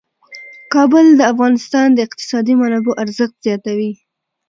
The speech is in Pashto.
کابل د افغانستان د اقتصادي منابعو ارزښت زیاتوي.